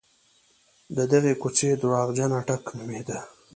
د دغې کوڅې درواغجن اټک نومېده.